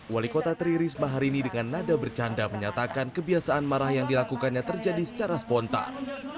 wali kota tri risma hari ini dengan nada bercanda menyatakan kebiasaan marah yang dilakukannya terjadi secara spontan